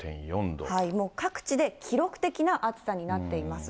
もう各地で記録的な暑さになっています。